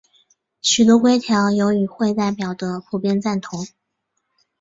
许多规条有与会代表的普遍赞同。